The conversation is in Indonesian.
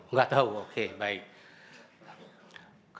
tidak tahu oke baik